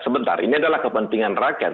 sebentar ini adalah kepentingan rakyat